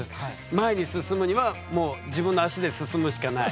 前に進むにはもう自分の足で進むしかない。